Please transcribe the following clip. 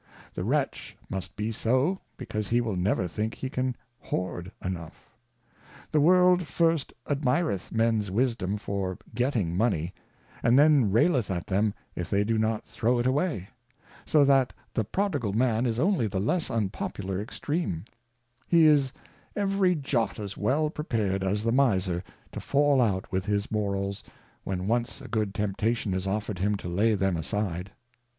The Wretch must be so, because he will never think he can hoard enough. The World first admireth Men's Wisdom for getting Money, and then raileth at them if they do not throw it away ; so that the Prodigal Man is only the less unpopular Extreme ; he is every jot as well prepared as the Miser to fall out with his Morals, when once a good Temptation is offered him to lay them aside.